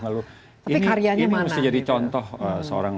ini harus jadi contoh seorang